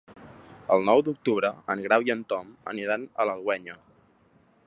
El nou d'octubre en Grau i en Tom aniran a l'Alguenya.